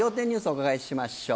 お伺いしましょう。